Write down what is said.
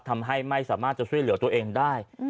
ทำให้ไม่สามารถจะช่วยเหลือตัวเองได้